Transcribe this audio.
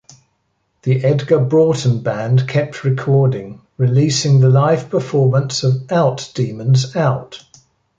The Edgar Broughton Band kept recording, releasing the live performance of Out Demons, Out!